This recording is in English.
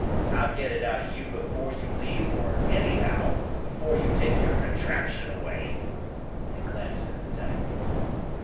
I'll get it out of you before you leave, or, anyhow, before you take your contraption away," and he glanced at the tank.